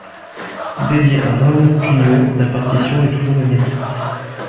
Dédiée à Raoul Pugno, la partition est toujours inédite.